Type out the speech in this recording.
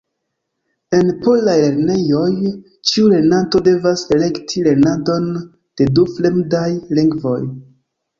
En polaj lernejoj ĉiu lernanto devas elekti lernadon de du fremdaj lingvoj.